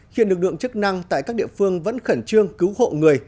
hiện lực lượng chức năng tại các địa phương vẫn khẩn trương cứu hộ người